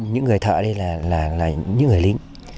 những người thợ đây là những người lính